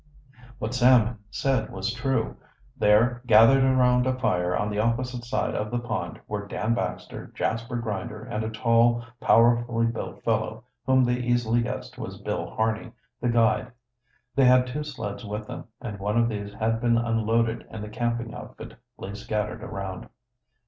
What Sam said was true. There, gathered around a fire on the opposite side of the pond, were Dan Baxter, Jasper Grinder, and a tall, powerfully built fellow whom they easily guessed was Bill Harney, the guide. They had two sleds with them, and one of these had been unloaded and the camping outfit lay scattered around.